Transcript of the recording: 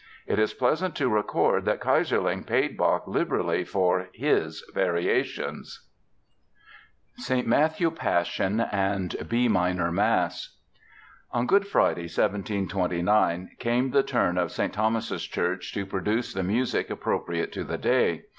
It is pleasant to record that Keyserling paid Bach liberally for "his" Variations. ST. MATTHEW PASSION AND B MINOR MASS On Good Friday, 1729, came the turn of St. Thomas' Church to produce the music appropriate to the day.